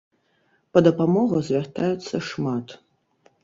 Па дапамогу звяртаюцца шмат.